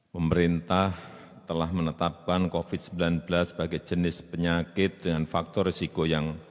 pemerintah telah menetapkan covid sembilan belas sebagai jenis penyakit dengan faktor risiko yang